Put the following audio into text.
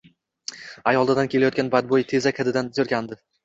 Ayolidan kelayotgan badboʻy tezak hididan jirkandi.